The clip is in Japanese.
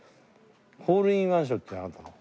ホールインワン賞っていうのがあったの。